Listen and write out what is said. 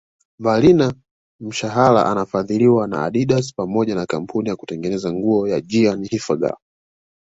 Mbalina mshahara anafadhiliwa na Adidas pamoja na kampuni ya kutengeneza nguo ya Ginny Hilfiger